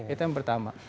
itu yang pertama